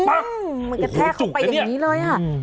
มันกระแทกเข้าไปอย่างนี้เลย